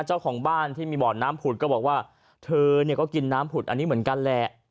เจ้าของบ้านที่มีบ่อน้ำผุดก็บอกว่าเธอเนี่ยก็กินน้ำผุดอันนี้เหมือนกันแหละ